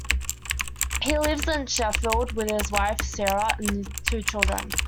He lives in Sheffield with his wife Sarah and two children.